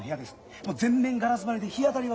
もう全面ガラス張りで日当たりは最高です。